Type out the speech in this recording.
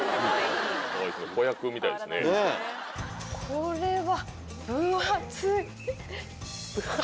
これは。